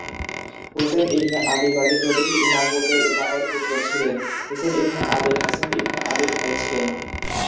হুসেন ইবনে আলী বাদে প্রতিটি ইমাম পূর্বের ইমামের পুত্র ছিলেন, হুসেন ইবনে আলী হাসান ইবনে আলীর ভাই ছিলেন।